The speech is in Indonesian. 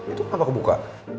itu kenapa kebuka